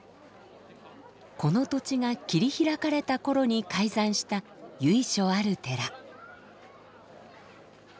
この土地が切り開かれた頃に開山した由緒ある寺。